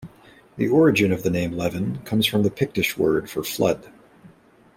The origin of the name "Leven" comes from the Pictish word for "flood".